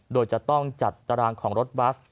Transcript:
โดยจะต้องจัดตารางของรถบัส